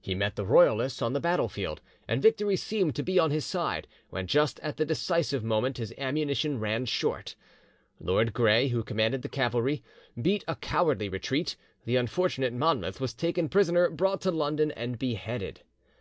He met the Royalists on the battlefield, and victory seemed to be on his side, when just at the decisive moment his ammunition ran short. Lord Gray, who commanded the cavalry, beat a cowardly retreat, the unfortunate Monmouth was taken prisoner, brought to London, and beheaded.